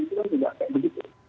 itu kan tidak kayak begitu